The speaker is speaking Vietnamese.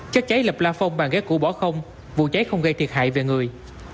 chất cháy lập la phong bàn ghế củ bỏ không vụ cháy không gây thiệt hại về người